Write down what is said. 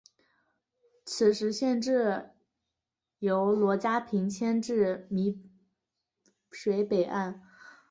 此时县治由罗家坪迁至洣水北岸。